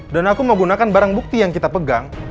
dan aku mau gunakan barang bukti yang kita pegang